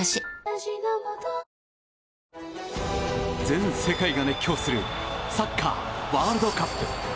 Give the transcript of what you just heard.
全世界が熱狂するサッカーワールドカップ。